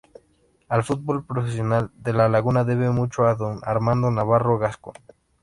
El fútbol profesional de La Laguna debe mucho a don Armando Navarro Gascón.